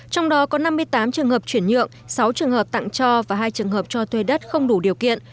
trong đó có năm mươi tám trường hợp chuyển nhượng sáu trường hợp tặng cho và hai trường hợp cho thuê đất không đủ điều kiện